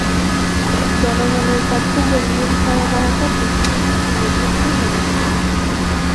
জনগণের কাছে জঙ্গির ভয়াবহতা বেশি বেশি তুলে ধরতে হবে।